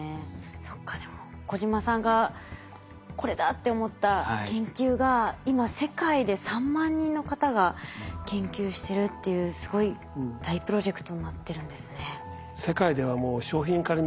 そっかでも小島さんがこれだって思った研究が今世界で３万人の方が研究してるっていうすごい大プロジェクトになってるんですね。